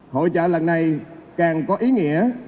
hội trợ lần này càng có ý nghĩa